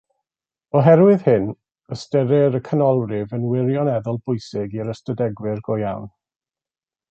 Oherwydd hyn, ystyrir y canolrif yn wirioneddol bwysig i'r ystadegwr go iawn.